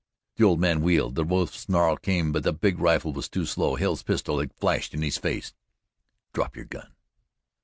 The old man wheeled, the wolf's snarl came, but the big rifle was too slow Hale's pistol had flashed in his face. "Drop your gun!"